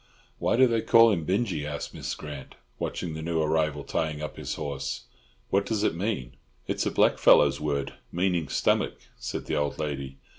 "Why do they call him Binjie?" asked Miss Grant, watching the new arrival tying up his horse. "What does it mean?" "It's a blackfellow's word, meaning stomach," said the old lady.